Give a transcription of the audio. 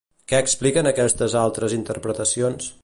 Què expliquen aquestes altres interpretacions?